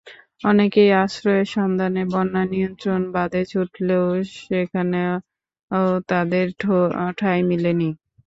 অনেকেই আশ্রয়ের সন্ধানে বন্যা নিয়ন্ত্রণ বাঁধে ছুটলেও সেখানেও তাদের ঠাঁই মেলেনি।